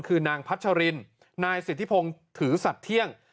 คือนางพัชรินนายสิทธิพงศ์ถือสัตว์เที่ยง